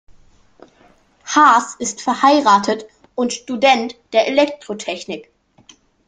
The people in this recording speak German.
Haaß ist verheiratet und Student der Elektrotechnik.